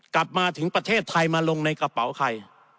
กลับมาถึงประเทศไทยมาลงในกระเป๋าใคร